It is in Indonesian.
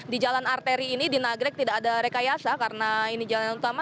di jalan arteri ini di nagrek tidak ada rekayasa karena ini jalan utama